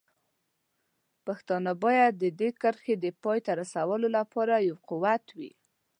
پښتانه باید د دې کرښې د پای ته رسولو لپاره یو قوت وي.